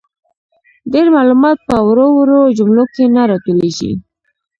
ډیر معلومات په وړو وړو جملو کي نه راټولیږي.